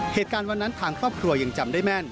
เหตุการณ์วันนั้นทางครอบครัวยังจำได้แม่น